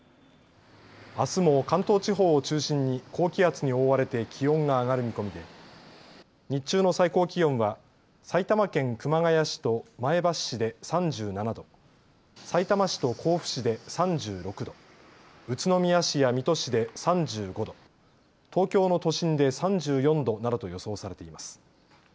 あすも関東地方を中心に高気圧に覆われて気温が上がる見込みで日中の最高気温は埼玉県熊谷市と前橋市で３７度、さいたま市と甲府市で３６度、宇都宮市や水戸市で３５度、東京の都心で３４度などと予想されています。